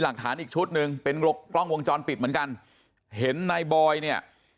หลักฐานอีกชุดหนึ่งเป็นกล้องวงจรปิดเหมือนกันเห็นนายบอยเนี่ย